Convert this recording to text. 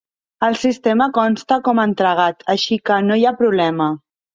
Al sistema consta com a entregat, així que no hi ha problema.